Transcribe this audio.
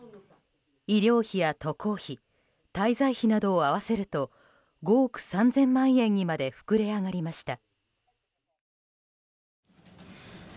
医療費や渡航費滞在費などを合わせると５億３０００万円にまで膨れ上がりました。